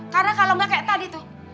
karena kalo gak kayak tadi tuh